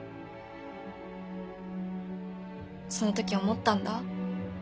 その時思ったんだ。